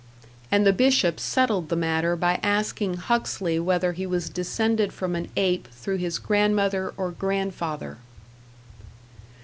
And the Bishop settled the matter by asking Huxley whether he was descended from an ape through his grandmother or grandfather.